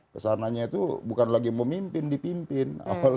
kesananya itu bukan lagi mau mimpin dipimpin